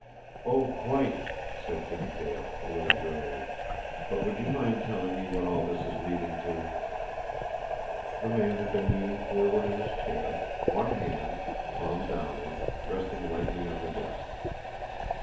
"Oh, quite!" said Jimmie Dale, a little wearily. "But would you mind telling me what all this is leading to?" The man had been leaning forward in his chair, one hand, palm downward, resting lightly on the desk.